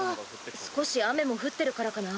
少し雨も降ってるからかな？